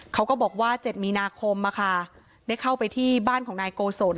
เขาก็บอกว่าเจ็ดมีนาคมมาค่ะได้เข้าไปที่บ้านของนายโกสน